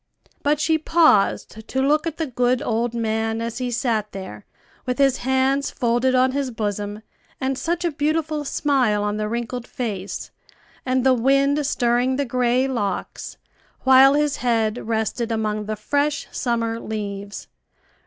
But she paused to look at the good old man as he sat there with his hands folded on his bosom, and such a beautiful smile on the wrinkled face, and the wind stirring the gray locks, while his head rested among the fresh summer leaves.